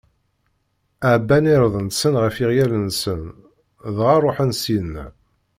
Ɛebban irden-nsen ɣef yeɣyal-nsen, dɣa ṛuḥen syenna.